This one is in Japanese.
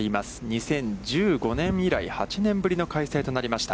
２０１５年以来８年ぶりの開催となりました。